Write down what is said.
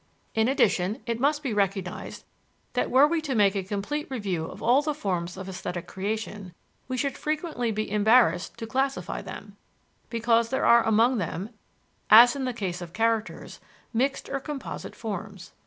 In addition, it must be recognized that were we to make a complete review of all the forms of esthetic creation, we should frequently be embarrassed to classify them, because there are among them, as in the case of characters, mixed or composite forms.